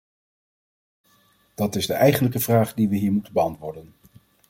Dat is de eigenlijke vraag die we hier moeten beantwoorden.